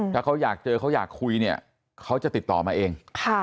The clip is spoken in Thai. ถ้าเขาอยากเจอเขาอยากคุยเนี่ยเขาจะติดต่อมาเอง